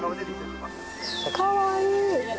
かわいい。